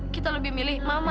kita lebih milih mama